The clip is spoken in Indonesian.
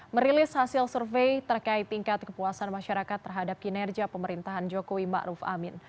merilis hasil survei terkait tingkat kepuasan masyarakat terhadap kinerja pemerintahan jokowi ma'ruf amin